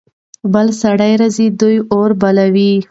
بل سړی راځي. دوی اور بلوي.